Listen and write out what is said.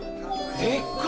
でっか！